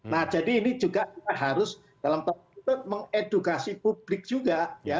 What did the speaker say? nah jadi ini juga harus dalam tanda kutip mengedukasi publik juga